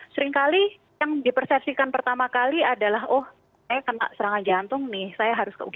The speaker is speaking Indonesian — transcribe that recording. seringkali yang dipersepsikan pertama kali adalah oh saya kena serangan jantung nih saya harus ke uk